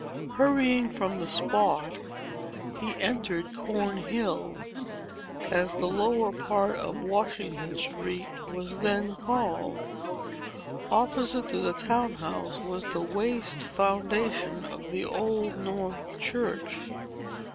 Hurrying from the spot, he entered Cornhill, as the lower part of Washington Street was then called. Opposite to the town house was the waste foundation of the Old North church.